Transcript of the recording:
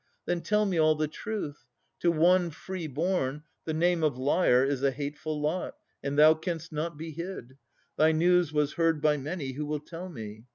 Then tell me all the truth. To one free born The name of liar is a hateful lot. And thou canst not be hid. Thy news was heard By many, who will tell me.